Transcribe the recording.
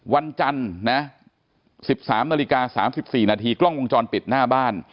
วันจันทร์นะสิบสามนาฬิกาสามสิบสี่นาทีกล้องวงจรปิดหน้าบ้าน